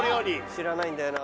知らないんだよな